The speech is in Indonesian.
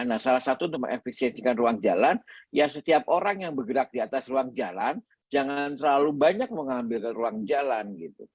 nah salah satu untuk mengefisiensikan ruang jalan ya setiap orang yang bergerak di atas ruang jalan jangan terlalu banyak mengambil ruang jalan gitu